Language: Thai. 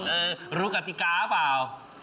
เออรู้กติกาหรือเปล่า